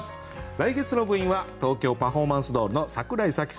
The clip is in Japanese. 来月の部員は東京パフォーマンスドールの櫻井紗季さんです。